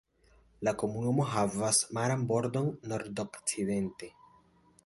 La komunumo havas maran bordon nordokcidente.